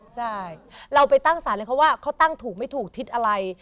ใช่เราไปตั้งสารเลยเขาว่าเขาตั้งถูกไม่ถูกทิศอะไร